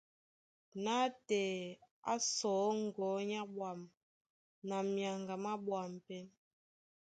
Nátɛɛ á sɔ̌ ŋgɔ̌ á ɓwâm na myaŋga má ɓwâm pɛ́.